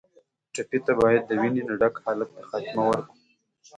ټپي ته باید د وینې نه ډک حالت ته خاتمه ورکړو.